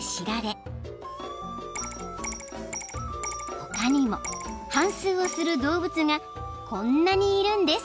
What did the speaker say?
［他にも反すうをする動物がこんなにいるんです］